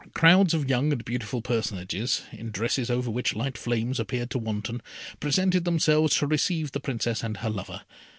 Crowds of young and beautiful personages, in dresses over which light flames appeared to wanton, presented themselves to receive the Princess and her lover.